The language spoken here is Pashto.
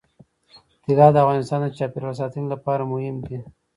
طلا د افغانستان د چاپیریال ساتنې لپاره مهم دي.